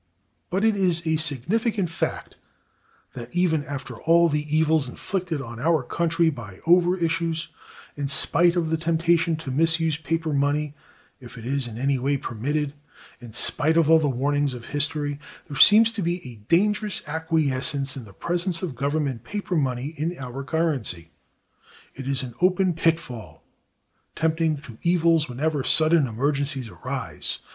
But it is a significant fact that even after all the evils inflicted on our country by over issues, in spite of the temptation to misuse paper money if it is in any way permitted, in spite of all the warnings of history, there seems to be a dangerous acquiescence in the presence of government paper money in our currency. It is an open pitfall, tempting to evils whenever sudden emergencies arise.